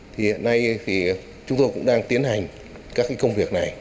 thì hiện nay thì chúng tôi cũng đang tiến hành các công việc này